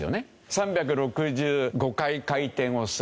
３６５回回転をする。